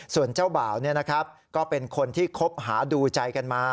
ส่วนเจ้าบ่าวก็เป็นคนที่คบหาดูใจกันมา